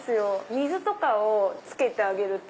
水とかをつけてあげると。